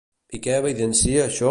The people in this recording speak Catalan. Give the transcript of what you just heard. I què evidencia, això?